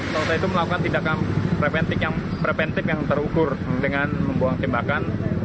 soto itu melakukan tindakan preventif yang terukur dengan membuang tembakan